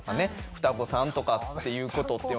双子さんとかっていうことってね